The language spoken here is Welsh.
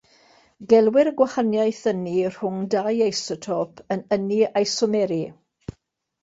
Gelwir y gwahaniaeth ynni rhwng dau isotop yn ynni isomeru.